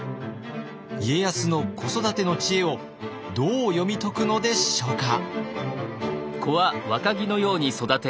家康の子育ての知恵をどう読み解くのでしょうか。